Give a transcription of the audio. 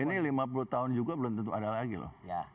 ini lima puluh tahun juga belum tentu ada lagi loh